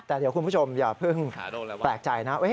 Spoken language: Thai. แต่เดี๋ยวคุณผู้ชมอย่าเพิ่งแปลกใจนะ